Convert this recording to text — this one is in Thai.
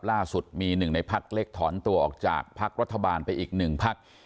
ล่าสุดมีหนึ่งในพักเล็กถอนตัวออกจากพักรัฐบาลไปอีกหนึ่งพัก